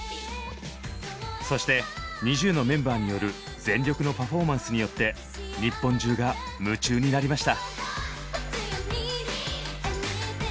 そしてＮｉｚｉＵのメンバーによる全力のパフォーマンスによって日本中が夢中になりました。